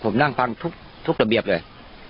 ผมนั่งฟังทุกระเบียบเลย